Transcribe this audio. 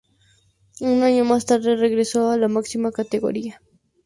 Un año más tarde regresó a la máxima categoría.